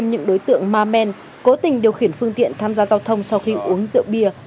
lực lượng chức năng sẽ tiến hành kiểm tra